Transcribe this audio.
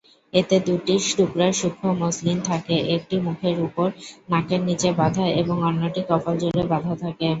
এতে দুটি টুকরা সূক্ষ্ম মসলিন থাকে, একটি মুখের উপর নাকের নীচে বাঁধা এবং অন্যটি কপাল জুড়ে বাঁধা থাকে।